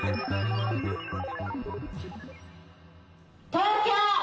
東京。